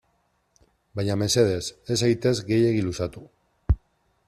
Baina mesedez, ez zaitez gehiegi luzatu.